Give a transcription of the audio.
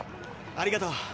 ありがとう。